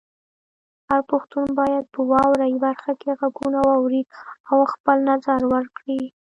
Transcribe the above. هر پښتون باید په "واورئ" برخه کې غږونه واوري او خپل نظر ورکړي.